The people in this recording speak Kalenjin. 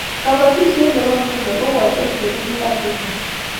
kabatishiet nebo ng'uno ko kokotes chebunu ibar chechang